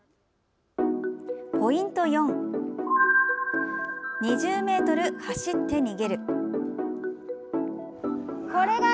ポイント４２０ｍ走って逃げる！